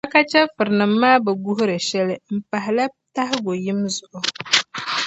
Makka chεfurinim’ maa bi guhiri shεli m-pahila tahigu yim zuɣu.